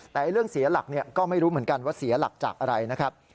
แต่เรื่องเสียหลักก็ไม่รู้เหมือนกันว่าเสียหลักจากอะไรนะครับ